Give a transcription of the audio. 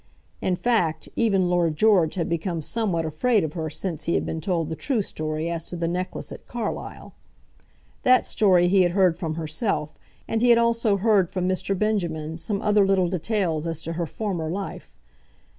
In fact, even Lord George had become somewhat afraid of her since he had been told the true story as to the necklace at Carlisle. That story he had heard from herself, and he had also heard from Mr. Benjamin some other little details as to her former life.